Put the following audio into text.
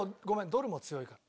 ドルも強いから。